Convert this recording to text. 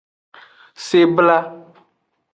Sebla.